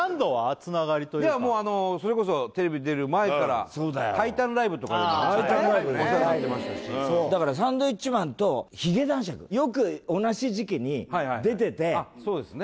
つながりというかもうあのそれこそテレビ出る前からタイタンライブとかでもお世話になってましたしだからサンドウィッチマンと髭男爵よく同じ時期に出ててそうですね